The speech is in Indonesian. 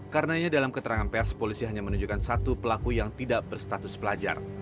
karenanya dalam keterangan pers polisi hanya menunjukkan satu pelaku yang tidak berstatus pelajar